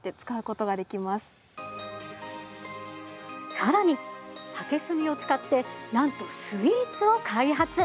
更に竹炭を使ってなんとスイーツを開発！